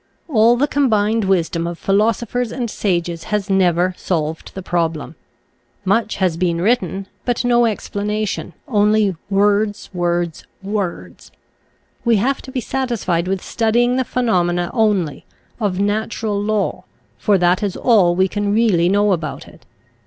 All the combined wisdom of philosophers and sages has never solved the problem. Much has been written, but no ex* planation, only words, words, words. We have to be satisfied with studying the phenomena only, of natural law, for that is all we can really know about it.